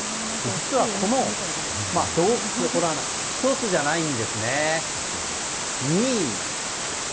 実はこの洞窟、洞穴１つじゃないんですね。